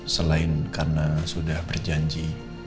selain karena sudah berjanji